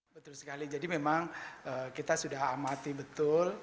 betul sekali jadi memang kita sudah amati betul